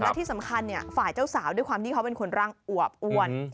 และที่สำคัญฝ่ายเจ้าสาวด้วยความที่เขาเป็นคนร่างอวบอ้วน